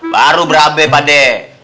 baru berabe pade